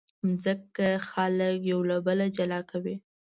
مځکه خلک یو له بله جلا کوي.